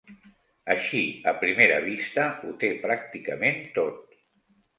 Així a primera vista, ho té pràcticament tot.